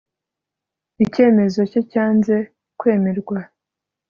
icyemezo cye cyanze kwemerwa